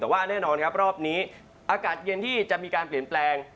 แต่ว่าแน่นอนครับรอบนี้อากาศเย็นที่จะมีการเปลี่ยนแปลง